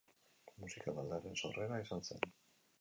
Musika taldearen sorrera izan zen.